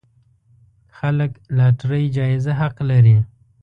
خلک لاټرۍ جايزه حق لري.